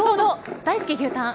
大好き、牛タン。